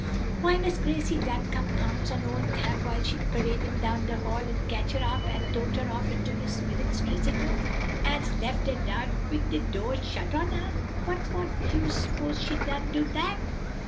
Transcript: "Why, Miss Gracie done come pounce on ole Tab while she paradin' down de hall, and ketch her up an' tote her off into Miss Wilet's dressin' room, an's lef her dar wid de do' shut on her. What for you s'pose she done do dat?"